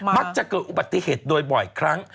มักจะเกิดอุบัติเหตุโดยบ่อยครั้ง